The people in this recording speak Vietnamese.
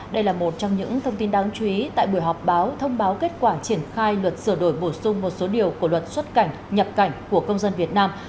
đây là một trong những thông tin đáng chú ý tại buổi họp báo thông báo kết quả triển khai luật sửa đổi bổ sung một số điều của luật xuất cảnh nhập cảnh của công dân việt nam